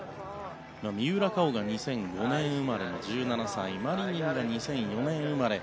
三浦佳生が２００５年生まれの１７歳マリニンが２００４年生まれ